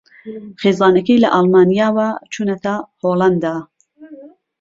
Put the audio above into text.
خێزانەکەی لە ئەڵمانیاوە چوونەتە ھۆڵەندا